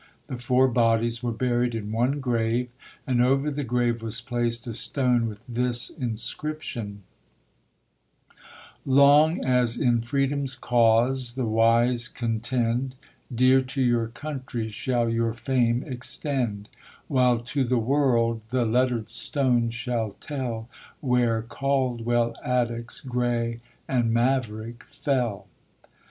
The four bodies were buried in one grave, and over the grave was placed a stone with this inscription : Long as in Freedom's cause the wise contend, Dear to your Country shall your fame extend; While to the world the lettered stone shall tell Where Caldwell, Attucks, Gray and Maverick fell.